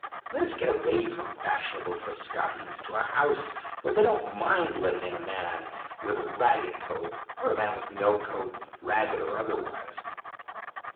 Let us get away from fashionable Frascati's, to a house where they don't mind letting in a man with a ragged coat, or a man with no coat, ragged or otherwise."